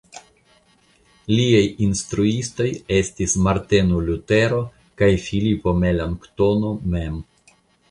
Liaj instruistoj estis Marteno Lutero kaj Filipo Melanktono mem.